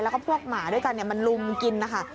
แล้วก็พวกหมาด้วยกันมาลุมกินนะคะ